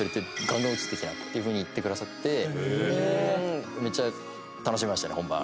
っていうふうに言ってくださってめっちゃ楽しめましたね本番。